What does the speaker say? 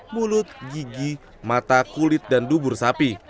mulut gigi mata kulit dan dubur sapi